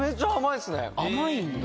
甘いんだ。